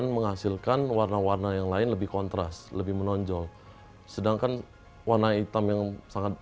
menghasilkan warna warna yang lain lebih kontras lebih menonjol sedangkan warna hitam yang sangat